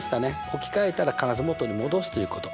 置き換えたら必ず元に戻すということ。